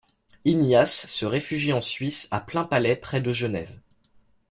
Ignace se réfugie en Suisse à Plainpalais près de Genève.